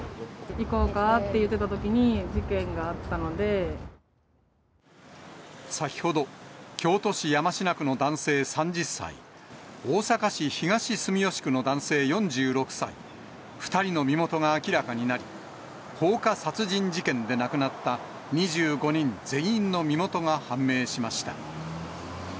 行こうかって言ってたときに先ほど、京都市山科区の男性３０歳、大阪市東住吉区の男性４６歳、２人の身元が明らかになり、放火殺人事件で亡くなった２５人全員の身元が判明しました。